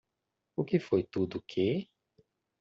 O que foi tudo que?